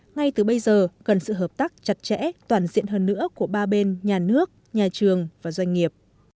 ngay từ bây giờ cần sự hợp tác chặt chẽ toàn diện hơn nữa của ba bên nhà nước nhà trường và doanh nghiệp